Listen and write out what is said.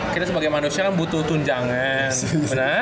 kita sebagai manusia kan butuh tunjangan